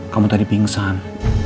kamu tadi pingsan